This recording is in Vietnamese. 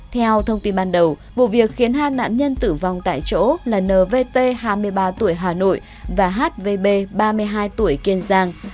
theo thông tin ban đầu vụ việc khiến hai nạn nhân tử vong tại chỗ là nvt hai mươi ba tuổi hà nội và hvb ba mươi hai tuổi kiên giang